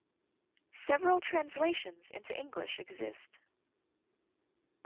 Several translations into English exist.